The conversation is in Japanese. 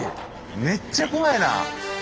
めっちゃ怖いな。